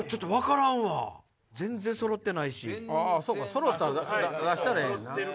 揃うたら出したらええねんな。